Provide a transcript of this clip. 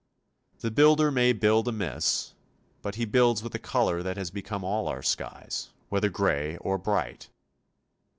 The builder may build amiss, but he builds with a colour that becomes all our skies, whether grey or bright.